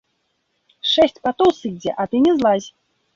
Шэсць патоў сыдзе, а ты не злазь.